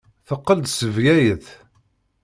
Teqqel-d seg Bgayet.